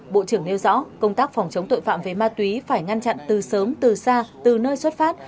bộ trưởng nêu rõ công tác phòng chống tội phạm về ma túy phải ngăn chặn từ sớm từ xa từ nơi xuất phát